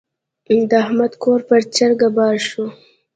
د احمد کور پر چرګه بار شو.